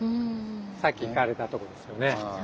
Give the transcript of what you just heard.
さっき行かれたとこですよね。